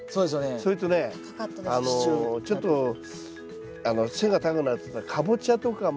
それとねちょっと背が高くなるっていったらカボチャとかも。